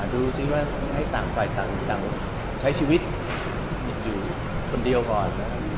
ดูสิว่าให้ต่างฝ่ายต่างใช้ชีวิตอยู่คนเดียวก่อน